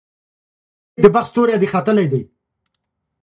معلومیږي د بخت ستوری دي ختلی ,